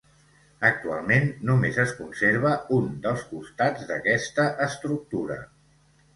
Actualment només es conserva un dels costats d'aquesta estructura.